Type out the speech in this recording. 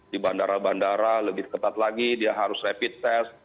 di bandara bandara lebih ketat lagi dia harus rapid test